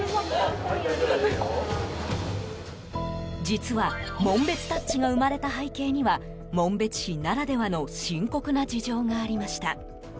実は紋別タッチが生まれた背景には紋別市ならではの深刻な事情がありました。